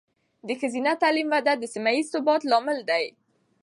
د ښځینه تعلیم وده د سیمه ایز ثبات لامل ده.